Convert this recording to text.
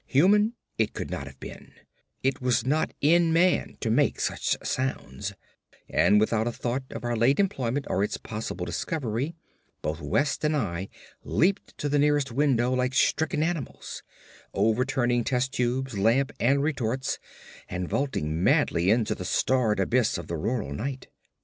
Human it could not have been—it is not in man to make such sounds—and without a thought of our late employment or its possible discovery both West and I leaped to the nearest window like stricken animals; overturning tubes, lamp, and retorts, and vaulting madly into the starred abyss of the rural night.